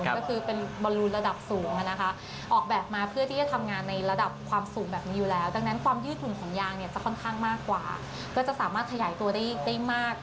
ก็คือเป็นบอลลูนระดับสูงนะคะออกแบบมาเพื่อที่จะทำงานในระดับความสูงแบบนี้อยู่แล้วดังนั้นความยืดหุ่นของยางเนี่ยจะค่อนข้างมากกว่าก็จะสามารถขยายตัวได้มาก